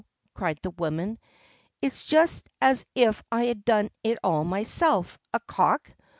cried the woman. "It's just as if I had done it all myself. A cock!